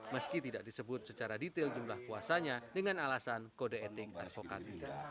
meski tidak disebut secara detail jumlah kuasanya dengan alasan kode etik advokat